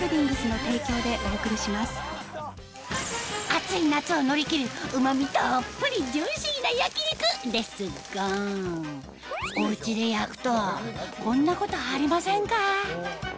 暑い夏を乗り切るうま味たっぷりジューシーな焼肉！ですがお家で焼くとこんなことありませんか？